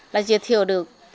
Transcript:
là giới thiệu được